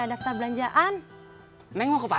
lo ada percobaan dign lifelong